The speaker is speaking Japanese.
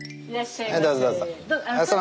はいどうぞどうぞ。